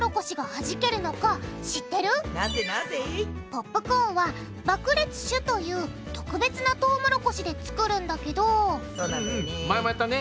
ポップコーンは爆裂種という特別なトウモロコシで作るんだけどそうなんだよね。